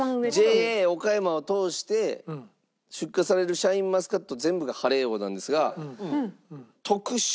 ＪＡ岡山を通して出荷されるシャインマスカット全部が晴王なんですが特秀